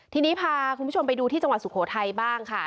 ทีนี้พาคุณผู้ชมไปดูที่จังหวัดสุโขทัยบ้างค่ะ